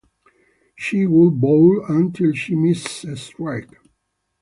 She would bowl until she missed a strike.